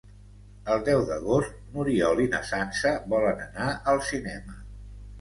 El deu d'agost n'Oriol i na Sança volen anar al cinema.